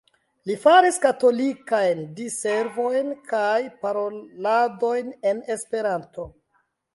Li faris katolikajn diservojn kaj paroladojn en Esperanto.